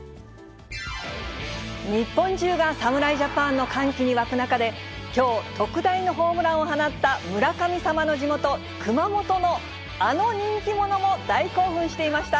日本中が侍ジャパンの歓喜に沸く中で、きょう、特大のホームランを放った村神様の地元、熊本のあの人気者も大興奮していました。